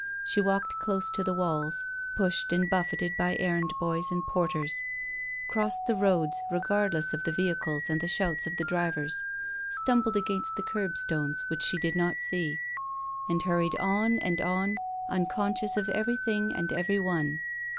She walked close to the walls, pushed and buffeted by errand boys and porters; crossed the roads, regardless of the vehicles and the shouts of the drivers ; stumbled against the kerb stones, which she did not see ; and huvried on and on, unconscious of everything and every one.